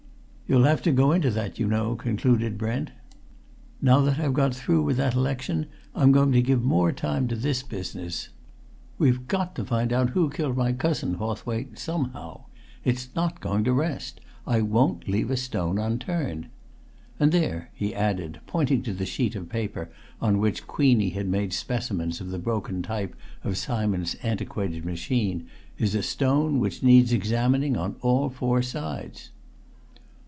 "You'll have to go into that, you know," concluded Brent. "Now that I've got through with that election I'm going to give more time to this business. We've got to find out who killed my cousin, Hawthwaite, somehow it's not going to rest. I won't leave a stone unturned! And there," he added, pointing to the sheet of paper on which Queenie had made specimens of the broken type of Simon's antiquated machine, "is a stone which needs examining on all four sides!"